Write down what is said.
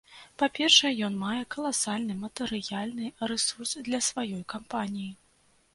Па-першае, ён мае каласальны матэрыяльны рэсурс для сваёй кампаніі.